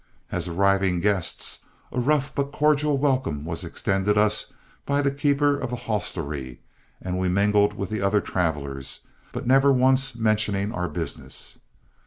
As arriving guests, a rough but cordial welcome was extended us by the keeper of the hostelry, and we mingled with the other travelers, but never once mentioning our business.